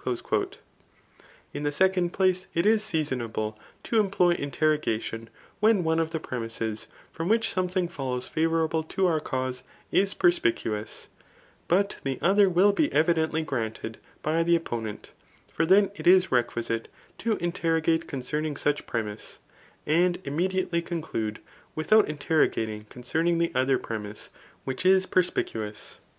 * In the second place, it is season* able to employ interrogation, when one of the premises £fn>m which sQmethmg follows favourable to our cau$e3 is perspicuous^ but the other will be evidently granted by the opponent } for then it is requisite to interrogate cox^ ceming such premise^ and immediately conclude with^ out interrogating concerning the other furemise, which is pelrspicuous.